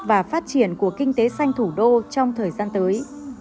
và phát triển của kinh tế xanh thủ đô trong thời gian tới